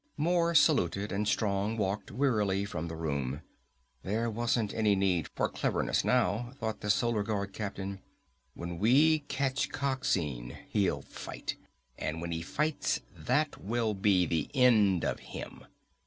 Moore saluted and Strong walked wearily from the room. There wasn't any need for cleverness now, thought the Solar Guard captain. When we catch Coxine, he'll fight. And when he fights, that will be the end of him!